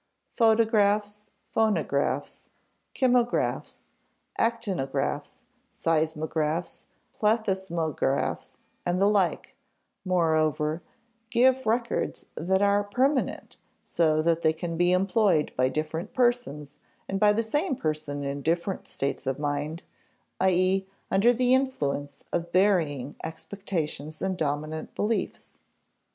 Photographs, phonographs, kymographs, actinographs, seismographs, plethysmographs, and the like, moreover, give records that are permanent, so that they can be employed by different persons, and by the same person in different states of mind, i.e. under the influence of varying expectations and dominant beliefs.